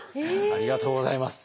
ありがとうございます！